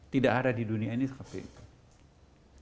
tidak ada di dunia ini seperti itu